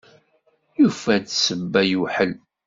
Yufa-d ssebba yewḥel.